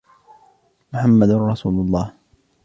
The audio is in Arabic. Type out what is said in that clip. محمد رسول الله.